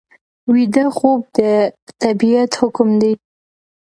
ویده خوب د طبیعت حکم دی